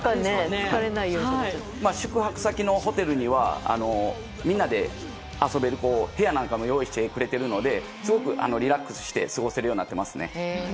宿泊先のホテルにはみんなで遊べる部屋なんかも用意してくれているのですごくリラックスして過ごせるようになってますね。